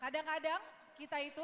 kadang kadang kita itu